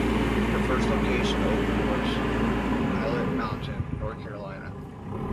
The first location opened was in Pilot Mountain, North Carolina.